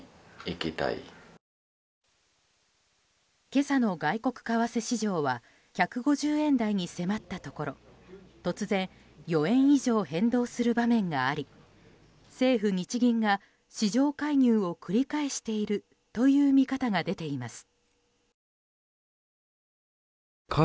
今朝の外国為替市場は１５０円台に迫ったところ突然４円以上変動する場面があり政府・日銀が市場介入を繰り返しているという見方が出ています。